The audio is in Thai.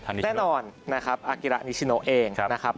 แน่นอนนะครับอากิระนิชโนเองนะครับ